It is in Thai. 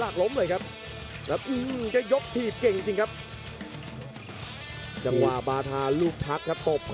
ออกเลยครับไม่เชียงก็ต้องเชื่อครับท่านผู้ชมครับ